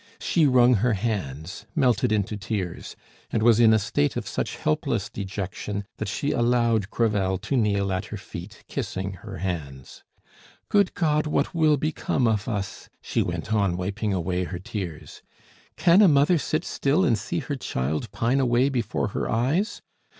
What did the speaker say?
She wrung her hands, melted into tears, and was in a state of such helpless dejection, that she allowed Crevel to kneel at her feet, kissing her hands. "Good God! what will become of us!" she went on, wiping away her tears. "Can a mother sit still and see her child pine away before her eyes?